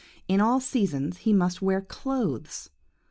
In all seasons he must wear clothes.